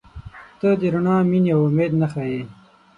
• ته د رڼا، مینې، او امید نښه یې.